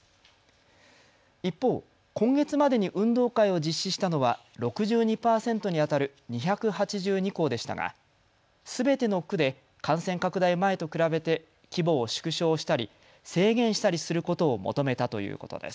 一方、今月までに運動会を実施したのは６２％にあたる２８２校でしたがすべての区で感染拡大前と比べて規模を縮小したり制限したりすることを求めたということです。